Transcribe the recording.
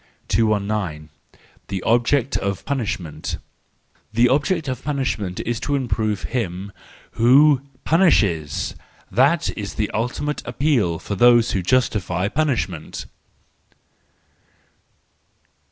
219. The Object of Punishment —The object of punish¬ ment is to improve him who punishes ,—that is the ultimate appeal of those who justify punishment.